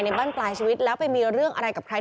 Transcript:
บ้านปลายชีวิตแล้วไปมีเรื่องอะไรกับใคร